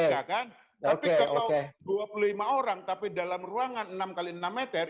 tapi kalau dua puluh lima orang tapi dalam ruangan enam x enam meter